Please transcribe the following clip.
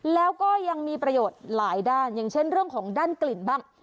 แล้วก็ยังมีประโยชน์หลายด้านอย่างเช่นเรื่องของด้านกลิ่นบ้าง